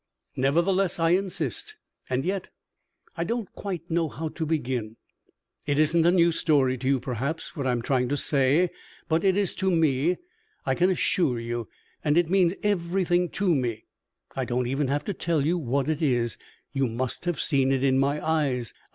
"Nevertheless, I insist; and yet I don't quite know how to begin. It isn't a new story to you perhaps what I am trying to say but it is to me, I can assure you and it means everything to me. I don't even have to tell you what it is you must have seen it in my eyes.